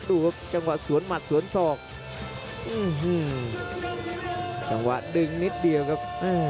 ดูครับจังหวะสวนหมัดสวนศอกจังหวะดึงนิดเดียวครับ